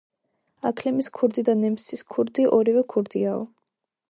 აქლემის ქურდი და ნემსის ქურდი ორივე ქურდიაო.,